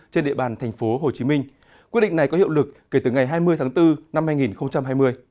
trên địa bàn tp hcm quyết định này có hiệu lực kể từ ngày hai mươi tháng bốn năm hai nghìn hai mươi